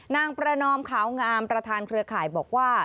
นางประนอมขาวงามประธานเครือข่ายบอกว่า